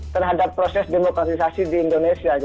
terhadap proses demokrasi di indonesia